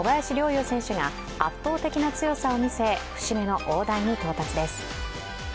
侑選手が圧倒的な強さを見せ、節目の大台に到達です。